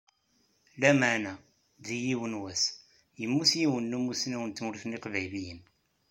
Lameεna, deg yiwen n wass, yemmut yiwen n umussnaw n tmurt n Yiqbayliyen.